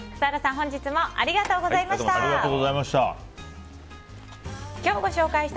本日もありがとうございました。